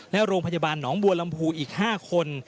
และโรงพยาบาลหนองบัวลำพูอีก๕คน